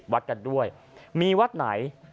วัดกันด้วยมีวัดไหน